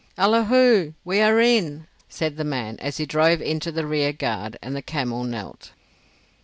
"Allahu! We are in," said the man, as he drove into the rearguard and the camel knelt.